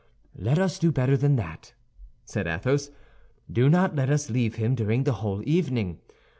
"Let us do better than that," said Athos; "do not let us leave him during the whole evening.